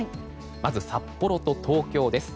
まず札幌と東京です。